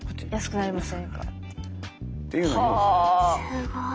すごい。